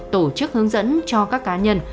tổ chức hướng dẫn cho các cá nhân